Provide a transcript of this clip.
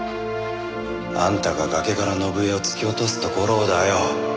あんたが崖から伸枝を突き落とすところをだよ！